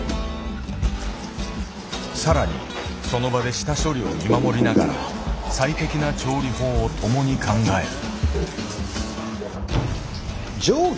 更にその場で下処理を見守りながら最適な調理法を共に考える。